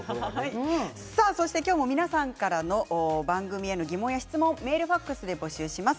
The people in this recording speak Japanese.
今日も皆さんからの疑問や質問をメール、ファックスで募集します。